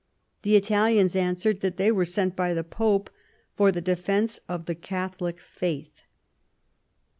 The Italians answered that they were sent by the Pope for the defence of the Catholic faith.